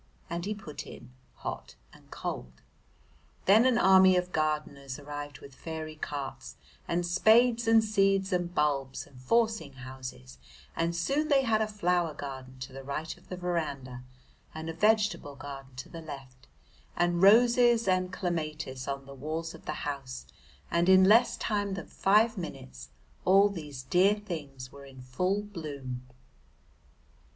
and he put in hot and cold. Then an army of gardeners arrived with fairy carts and spades and seeds and bulbs and forcing houses, and soon they had a flower garden to the right of the verandah and a vegetable garden to the left, and roses and clematis on the walls of the house, and in less time than five minutes all these dear things were in full bloom.